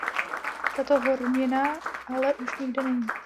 Tato hornina ale už nikde není.